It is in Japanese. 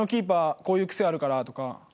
こういう癖あるから」とか。